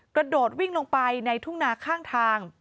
กระโดดวิ่งลงไปในทุ่งนาข้างทาง